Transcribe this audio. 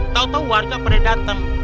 tau tau warga pada datang